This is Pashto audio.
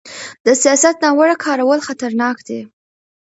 د سیاست ناوړه کارول خطرناک دي